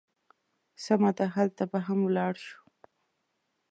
سمه ده، هلته به هم ولاړ شو.